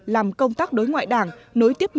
làm công tác đối ngoại đảng nối tiếp với các thế hệ cán bộ